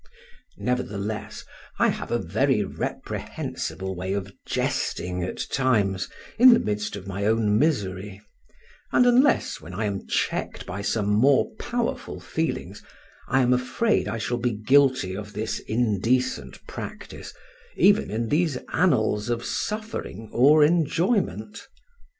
Nevertheless, I have a very reprehensible way of jesting at times in the midst of my own misery; and unless when I am checked by some more powerful feelings, I am afraid I shall be guilty of this indecent practice even in these annals of suffering or enjoyment.